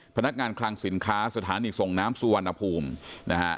พนักงานคลังสินค้าสถานีส่งน้ำสุวรรณภูมินะฮะ